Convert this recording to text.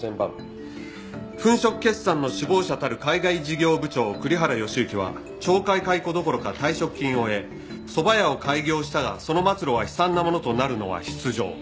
「粉飾決算の首謀者たる海外事業部長栗原善行は懲戒解雇どころか退職金を得そば屋を開業したがその末路は悲惨なものとなるのは必定」